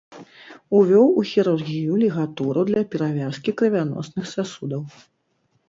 Увёў у хірургію лігатуру для перавязкі крывяносных сасудаў.